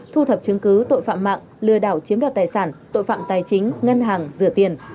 thu thập chứng cứ tội phạm mạng lừa đảo chiếm đoạt tài sản tội phạm tài chính ngân hàng rửa tiền